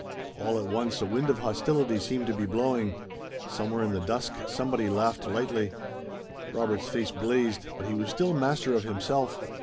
All at once a wind of hostility seemed to be blowing. Somewhere in the dusk, somebody laughed lightly. Robert's face blazed, but he was still master of himself.